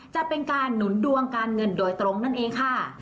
จะเป็นการหนุนดวงการเงินโดยตรงนั่นเองค่ะ